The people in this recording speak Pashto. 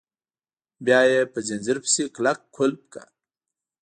بیا یې په ځنځیر پسې کلک قلف کړه.